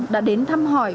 đã đến thăm hỏi